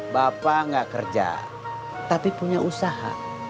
bapak nggak kerja tapi punya usaha